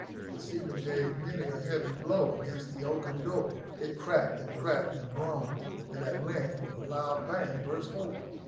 the seamen gave many a heavy blow against the oaken door. It cracked and cracked and groaned, and at length, with a loud bang, burst open.